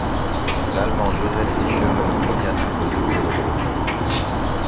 L'Allemand Josef Fischer est le premier à s'imposer au vélodrome.